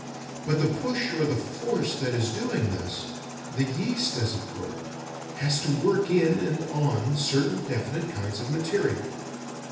But the push or the force that is doing this, the yeast as it were, has to work in and on certain definite kinds of material.